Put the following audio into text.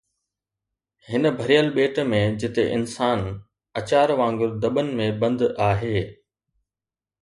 هن ڀريل ٻيٽ ۾ جتي انسان اچار وانگر دٻن ۾ بند آهي